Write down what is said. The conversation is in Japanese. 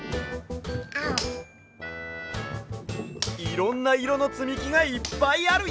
いろんないろのつみきがいっぱいあるＹＯ！